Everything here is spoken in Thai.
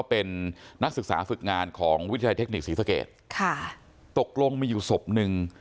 เป็นนักศึกษาฝึกงานของวิทยาลัยเทคนิคศรีสเกตค่ะตกลงมีอยู่ศพหนึ่ง